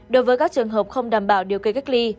đối với các trường hợp không đảm bảo điều cây cách ly